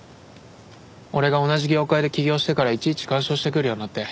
俺が同じ業界で起業してからいちいち干渉してくるようになって。